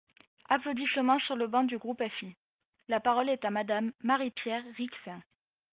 (Applaudissements sur les bancs du groupe FI.) La parole est à Madame Marie-Pierre Rixain.